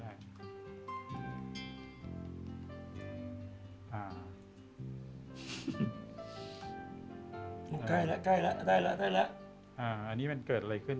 มันใกล้แล้วใกล้แล้วได้แล้วได้แล้วอันนี้มันเกิดอะไรขึ้น